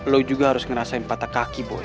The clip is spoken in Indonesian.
lo juga harus ngerasain patah kaki bu